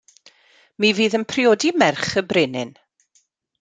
Mi fydd yn priodi merch y brenin.